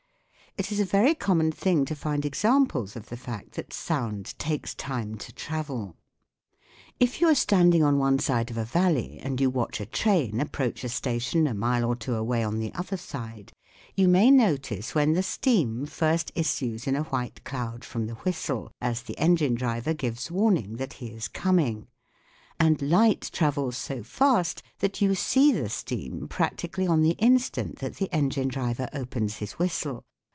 It is a very common thing to find examples of the fact that sound takes time to travel. If you are standing on one side of a valley and you watch a train approach a station a mile or two away on the other side, you may notice when the steam first issues in a white cloud from the whistle as the engine driver gives warning that he is coming ; and light travels so fast that you see the steam practically on the instant that the engine driver opens his whistle.